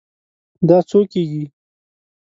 دا څو کیږي؟